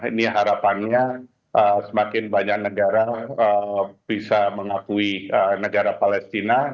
ini harapannya semakin banyak negara bisa mengakui negara palestina